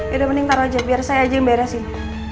yaudah mending taruh aja biar saya aja yang beresin